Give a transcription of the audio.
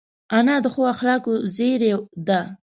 انا د ښو اخلاقو زېری ده